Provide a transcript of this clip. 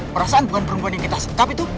perasaan bukan perempuan yang kita setap itu